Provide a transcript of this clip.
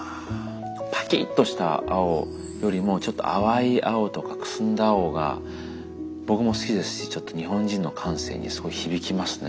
パキッとした青よりもちょっと淡い青とかくすんだ青が僕も好きですしちょっと日本人の感性にすごい響きますね。